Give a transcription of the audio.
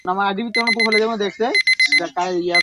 অনুষ্ঠানটি ঢাকা কলেজে নভেম্বর মাসে অনুষ্ঠিত হয়েছিলো।